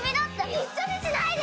一緒にしないで！